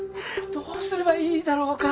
どうすればいいだろうか。